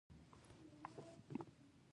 کوربه د اخلاقو هنداره وي.